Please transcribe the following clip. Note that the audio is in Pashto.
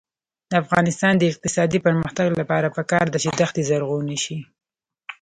د افغانستان د اقتصادي پرمختګ لپاره پکار ده چې دښتي زرغونې شي.